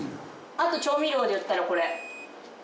あと調味料でいったらこれ。